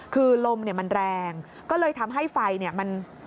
คือลมมันแรงก็เลยทำให้ไฟมัน